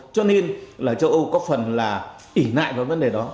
cho nên là châu âu có phần là ỉ lại vào vấn đề đó